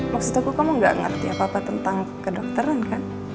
maksud aku kamu gak ngerti apa apa tentang kedokteran kan